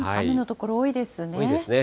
多いですね。